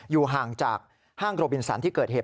อยู่ห่างจากห้างโรบินสันที่เกิดเหตุ